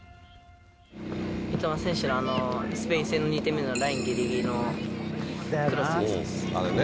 三笘選手のあのスペイン戦の２点目のラインぎりぎりのクロスです。